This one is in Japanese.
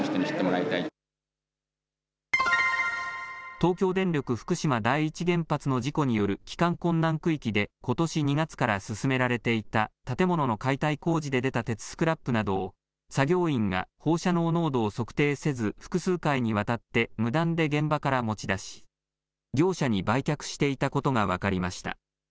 東京電力福島第一原発の事故による帰還困難区域でことし２月から進められていた建物の解体工事で出た鉄スクラップなどを作業員が放射能濃度を測定せず複数回にわたって無断で現場から持ち出し、業者に売却していたことが分かりました。